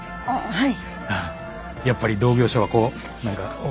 はい。